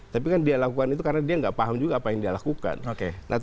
tapi kan dia lakukan itu karena dia nggak paham juga apa yang dia lakukan